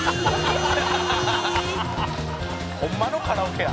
「ホンマのカラオケや」